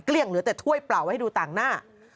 เหลือแต่ถ้วยเปล่าให้ดูต่างหน้า